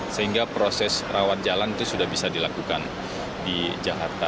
sehingga proses rawat jalan itu sudah bisa dilakukan di jakarta